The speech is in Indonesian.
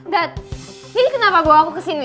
dad ini kenapa bawa aku kesini